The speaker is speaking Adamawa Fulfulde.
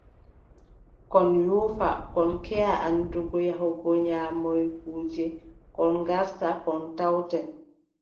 Kon nyuufa, kon keʼa anndugo yahugo nyaamoya kuuje, kon ngarta, kon tawten.